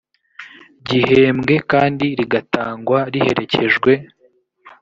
gihembwe kandi rigatangwa riherekejwe